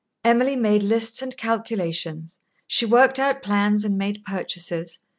Emily made lists and calculations, she worked out plans and made purchases.